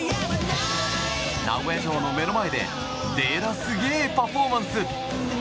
名古屋城の目の前ででらすげえパフォーマンス！